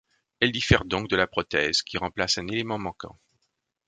Elle diffère donc de la prothèse, qui remplace un élément manquant.